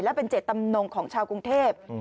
และเป็นเจตจำนงของชาวกรุงเทพ